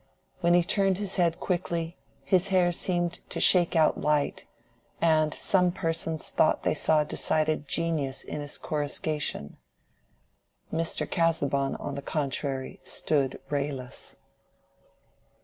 When he turned his head quickly his hair seemed to shake out light, and some persons thought they saw decided genius in this coruscation. Mr. Casaubon, on the contrary, stood rayless.